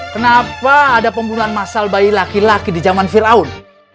kenapa ada pembunuhan masal bayi laki laki di zaman ⁇ firaun ⁇